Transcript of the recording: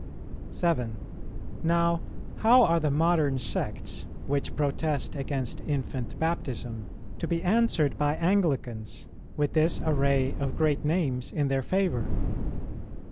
7. Now how are the modern sects, which protest against infant baptism, to be answered by Anglicans with this array of great names in their favour?